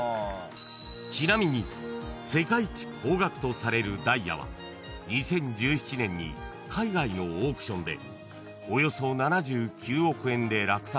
［ちなみに世界一高額とされるダイヤは２０１７年に海外のオークションで］